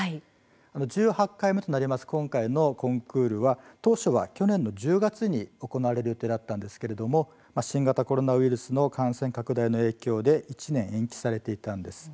１８回目となる今回のコンクールは当初は去年の１０月に行われる予定だったんですが新型コロナウイルスの感染拡大の影響で１年延期されていたんです。